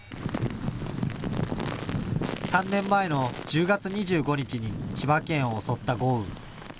３年前の１０月２５日に千葉県を襲った豪雨。